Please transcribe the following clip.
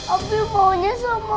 abi maunya sama aku